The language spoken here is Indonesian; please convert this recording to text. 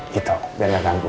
gitu biar ga ganggu